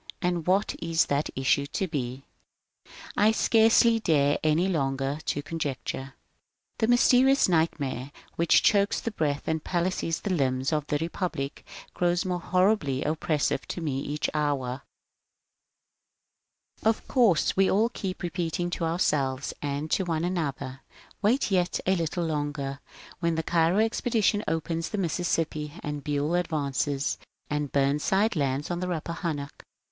And what is that issue to be ? I scarcely dare, any longer, to conjecture. This mysterious nightmare, which chokes the breath and palsies the limbs of the Republic, grows more horribly oppressive to me each hour. Of course, we all keep repeating to ourselves and to one another :^^ Wait yet a little longer. When the Cairo expedition opens the Mississippi, and BueU advances, and Bumside lands on the Rappahannock, etc.